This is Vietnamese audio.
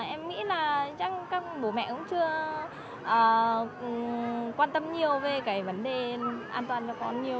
em nghĩ là chắc các bố mẹ cũng chưa quan tâm nhiều về cái vấn đề an toàn cho con nhiều